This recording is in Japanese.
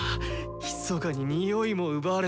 ひそかににおいも奪われていたとは。